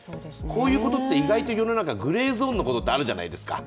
こういうことって、意外と世の中、グレーゾーンのことってあるじゃないですか。